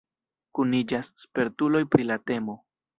Kuniĝas spertuloj pri la temo.